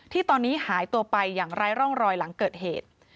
ที่ตอนนี้หายตัวไปอย่างไร้ร่องรอยหลังเกิดเหตุ